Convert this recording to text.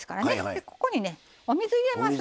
でここにねお水入れます。